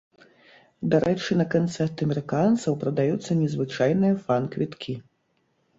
Дарэчы, на канцэрт амерыканцаў прадаюцца незвычайныя фан-квіткі.